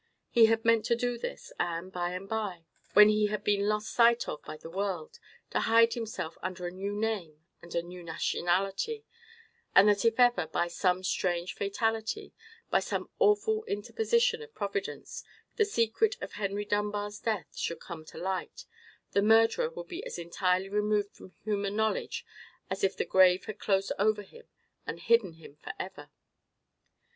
He had meant to do this, and by and by, when he had been lost sight of by the world, to hide himself under a new name and a new nationality, so that if ever, by some strange fatality, by some awful interposition of Providence, the secret of Henry Dunbar's death should come to light, the murderer would be as entirely removed from human knowledge as if the grave had closed over him and hidden him for ever.